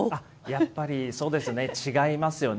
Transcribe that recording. やっぱり、そうですね、違いますよね。